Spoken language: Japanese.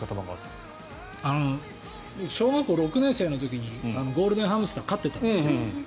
僕、小学校６年生の時にゴールデンハムスターを飼っていたんですよ。